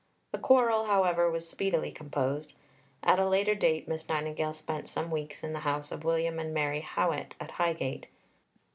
The quarrel, however, was speedily composed. At a later date, Miss Nightingale spent some weeks in the house of William and Mary Howitt at Highgate.